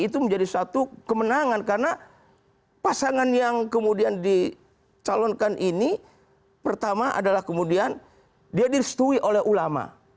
itu menjadi suatu kemenangan karena pasangan yang kemudian dicalonkan ini pertama adalah kemudian dia direstui oleh ulama